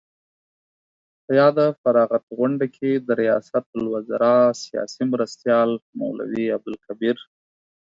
په یاده فراغت غونډه کې د ریاست الوزراء سیاسي مرستیال مولوي عبدالکبیر